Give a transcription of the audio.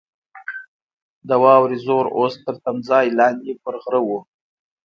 د واورې زور اوس تر تمځای لاندې پر غره وو.